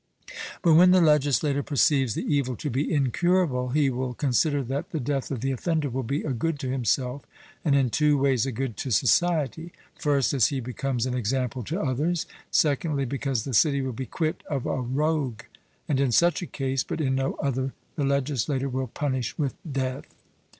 But when the legislator perceives the evil to be incurable, he will consider that the death of the offender will be a good to himself, and in two ways a good to society: first, as he becomes an example to others; secondly, because the city will be quit of a rogue; and in such a case, but in no other, the legislator will punish with death.